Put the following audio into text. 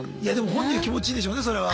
本人は気持ちいいでしょうねそれは。